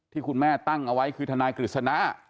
ที่คุณแม่ตั้งเอาไว้คือทนายกฤษณะ